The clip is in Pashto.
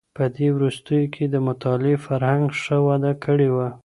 په دې وروستيو کي د مطالعې فرهنګ ښه وده کړې وه.